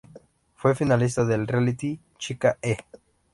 Fue finalista del reality "Chica E!